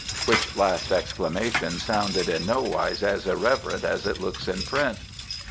(which last exclamation sounded in no wise as irreverent as it looks in print).